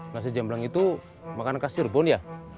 nasi jamblang itu makanan kasir bond ya